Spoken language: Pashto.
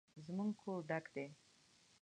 زموږ کور ډک دی